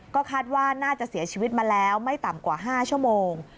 ก็คาดว่าน่าจะเสียชีวิตมาแล้วไม่ต่ำกว่า๕ชั่วโมง